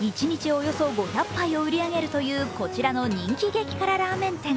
およそ５００杯を売り上げるというこちらの人気激辛ラーメン店。